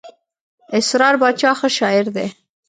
اسرار باچا ښه شاعر دئ.